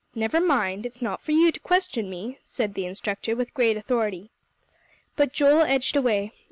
"Never mind; it's not for you to question me," said the instructor, with great authority. But Joel edged away.